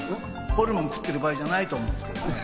ホルモン食ってる場合じゃないと思いますけどね。